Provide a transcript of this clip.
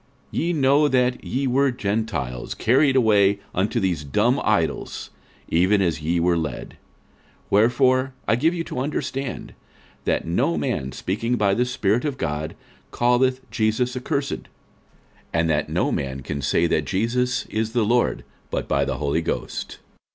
46:012:002 Ye know that ye were Gentiles, carried away unto these dumb idols, even as ye were led. 46:012:003 Wherefore I give you to understand, that no man speaking by the Spirit of God calleth Jesus accursed: and that no man can say that Jesus is the Lord, but by the Holy Ghost.